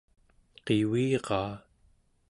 qiviraa